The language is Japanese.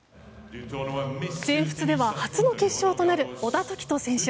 全仏では初の決勝となる小田凱人選手。